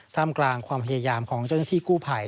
ท่ามกลางความพยายามของเจ้าหน้าที่กู้ภัย